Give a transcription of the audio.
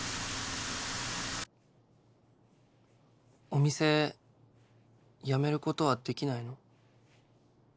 お店辞めることはできないの？